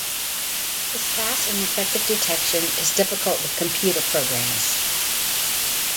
This fast and effective detection is difficult with computer programs.